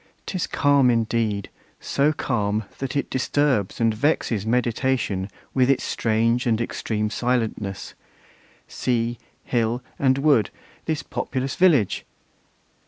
'Tis calm indeed! so calm, that it disturbs And vexes meditation with its strange And extreme silentness. Sea, hill, and wood, This populous village!